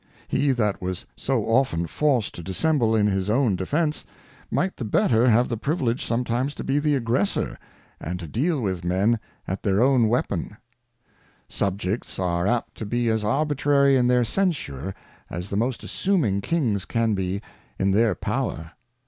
He that was so often forced to dissemble in his own Defence, might the better have the privilege sometimes to be the Aggressor, and to deal with Men at their own Weapon. Subjects 2o8 A Character of King Charles II. Subjects are apt to be as arbitrary in their Censure, as the most assuming Kings can be in their Power.